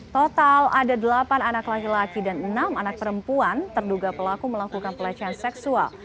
total ada delapan anak laki laki dan enam anak perempuan terduga pelaku melakukan pelecehan seksual